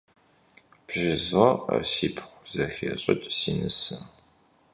Bjjızo'e, sipxhu, zexeş'ıç', si nıse.